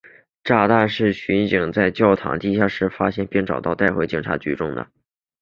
炸弹是巡警在一个教堂的地下室中发现并带到警察局中的。